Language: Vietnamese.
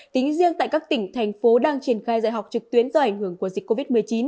tính riêng tại các tỉnh thành phố đang triển khai dạy học trực tuyến do ảnh hưởng của dịch covid một mươi chín